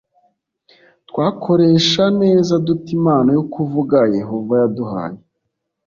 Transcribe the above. twakoresha neza dute impano yo kuvuga yehova yaduhaye